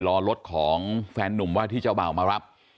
รอรถของแฟนนุ่มว่าที่เจ้าบ่าวมารับ